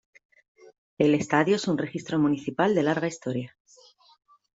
El estadio es un recinto municipal de larga historia.